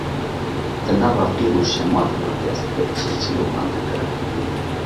di nava qîr û şematê de dest bi çîrçîrokan dikirin